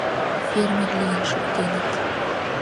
Фермер лийын шуктеныт.